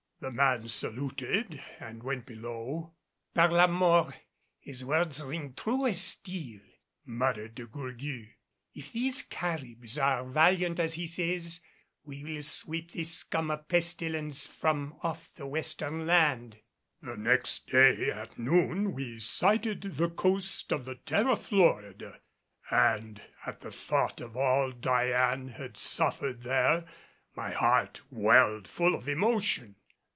The man saluted and went below. "Par la mort, his words ring true as steel," muttered De Gourgues. "If these Caribs are valiant, as he says, we will sweep this scum of pestilence from off the western land." The next day at noon we sighted the coast of the Terra Florida, and at the thought of all Diane had suffered there my heart welled full of emotion.